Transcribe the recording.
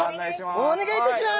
お願いいたします！